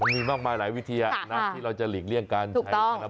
มีมากมายหลายวิธีนะที่เราจะหลีกเลี่ยงการใช้